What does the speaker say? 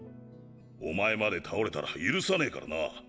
お前まで倒れたら許さねぇからな。